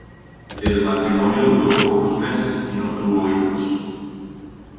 El matrimonio duró pocos meses y no tuvo hijos.